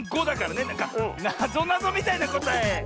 なんかなぞなぞみたいなこたえ！